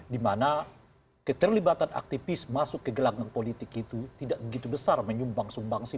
dimana keterlibatan aktivis masuk ke gelanggang politik itu tidak begitu besar menyumbang sumbangsi